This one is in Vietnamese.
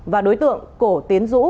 và đối tượng cổ tiến dũ